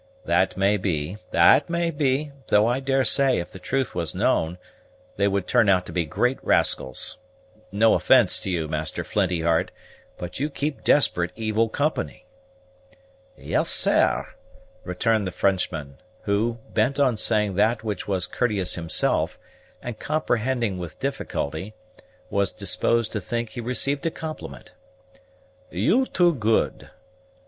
"That may be, that may be; though I daresay, if the truth was known, they would turn out to be great rascals. No offence to you, Master Flinty heart, but you keep desperate evil company." "Yes, sair," returned the Frenchman, who, bent on saying that which was courteous himself, and comprehending with difficulty, was disposed to think he received a compliment, "you too good.